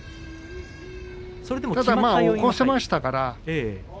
ただ起こせましたから。